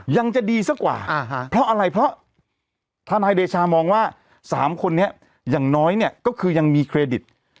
ยังจะดีซะกว่าเพราะอะไรเพราะทนายเดชามองว่า๓คนนี้อย่างน้อยเนี่ยก็คือยังมีเครดิต